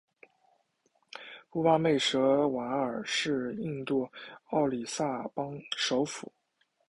布巴内什瓦尔是印度奥里萨邦首府。